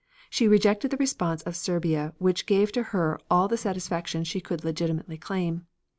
She rejected the response of Serbia which gave to her all the satisfaction she could legitimately claim.